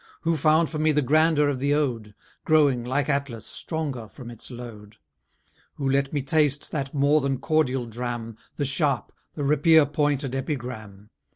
Who found for me the grandeur of the ode, Growing, like Atlas, stronger from its load? Who let me taste that more than cordial dram, The sharp, the rapier pointed epigram?